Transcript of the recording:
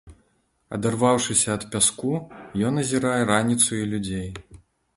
Адарваўшыся ад пяску, ён азірае раніцу і людзей.